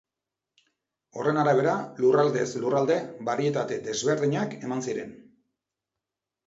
Horren arabera, lurraldez lurralde, barietate desberdinak eman ziren.